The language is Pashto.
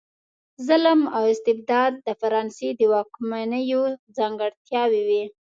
ظلم او استبداد د فرانسې د واکمنیو ځانګړتیاوې وې.